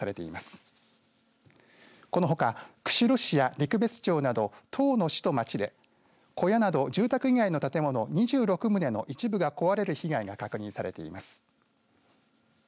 このほか、釧路市や陸別町など１０の市と町で小屋など住宅以外の建物２６棟の一部が壊れる被害が確認されています。